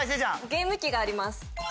ゲーム機があります。